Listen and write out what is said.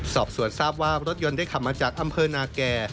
สอบสวนทราบว่ารถยนต์ได้ขับมาจากอำเภอนาแก่